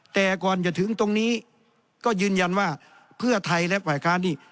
แต่ก่อนจะถึงตรงนี้ก็ยืนยันว่าเพื่อไทยและฝ่ายค้านนี่